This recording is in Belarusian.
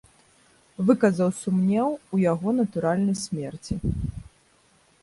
Выказваў сумнеў у яго натуральнай смерці.